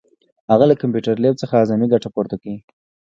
هغه له کمپیوټر لیب څخه اعظمي ګټه پورته کوي.